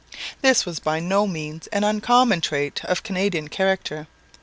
This is by no means an uncommon trait of Canadian character.